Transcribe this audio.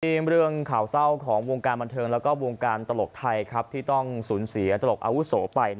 เรื่องข่าวเศร้าของวงการบันเทิงแล้วก็วงการตลกไทยครับที่ต้องสูญเสียตลกอาวุโสไป